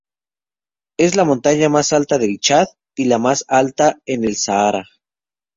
Es la montaña más alta del Chad, y la más alta en el Sahara.